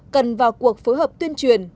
cần vào cuộc phối hợp tuyên truyền